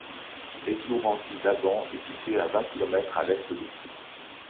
Eslourenties-Daban est située à vingt kilomètres à l'est de Pau.